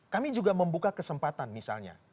kami juga membuka kesempatan misalnya